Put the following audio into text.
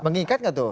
mengikat gak tuh